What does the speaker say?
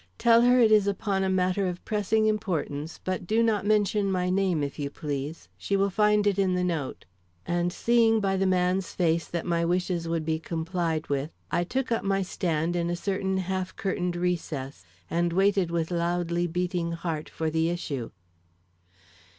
"Tell her it is upon a matter of pressing importance, but do not mention my name, if you please; she will find it in the note." And seeing by the man's face that my wishes would be complied with, I took up my stand in a certain half curtained recess and waited with loudly beating heart for the issue.